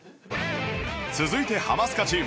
続いてハマスカチーム